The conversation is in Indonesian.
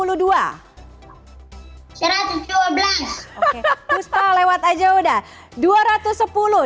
oke puspa lewat aja udah